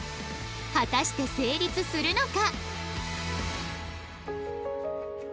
果たして成立するのか？